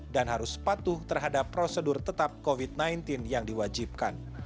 harus patuh terhadap prosedur tetap covid sembilan belas yang diwajibkan